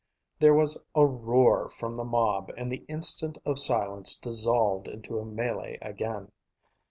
There was a roar from the mob, and the instant of silence dissolved into a melee again.